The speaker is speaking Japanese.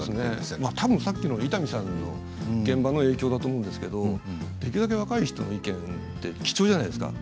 さっきの伊丹さんの現場の影響だと思うんですけれどできるだけ若い人の意見って貴重じゃないですか。